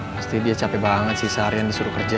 pasti dia capek banget sih seharian disuruh kerja